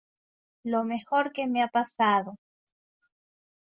lo mejor que me ha pasado.